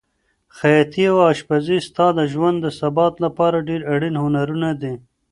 خیاطي او اشپزي ستا د ژوند د ثبات لپاره ډېر اړین هنرونه دي.